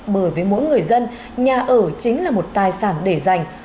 bởi với mỗi người dân nhà ở chính là một tài sản để dành